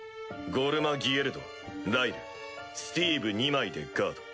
ゴルマギエルドライルスティーブ２枚でガード。